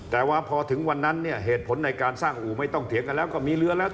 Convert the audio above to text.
แต่ว่าพอถึงวันนั้นเนี่ยเหตุผลในการสร้างอู่ไม่ต้องเถียงกันแล้วก็มีเรือแล้ว